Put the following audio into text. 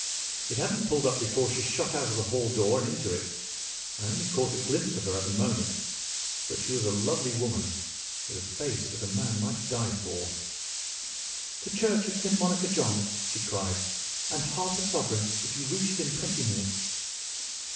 It hadn't pulled up before she shot out of the hall door and into it. I only caught a glimpse of her at the moment, but she was a lovely woman, with a face that a man might die for. "'The Church of St. Monica, John,' she cried, 'and half a sovereign if you reach it in twenty minutes.